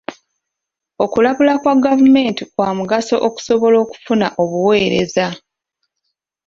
Okulambula kwa gavumenti kwa mugaso okusobola okufuna obuweereza.